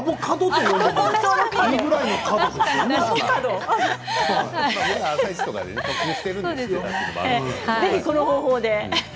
ぜひ、この方法で。